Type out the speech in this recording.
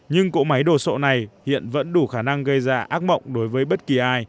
nhưng cỗ máy đồ sộ này hiện vẫn đủ khả năng gây ra ác mộng đối với bất kỳ ai